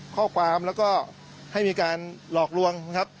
ข้อความแล้วก็ให้มีการหลอกลวงนะครับ